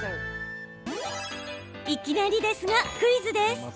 いきなりですが、クイズです。